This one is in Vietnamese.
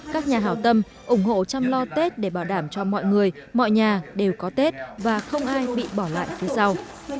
các nhà hào tâm ủng hộ chăm lo tết để bảo đảm cho mọi người mọi nhà đều có tết và không ai bị bỏ lại phía sau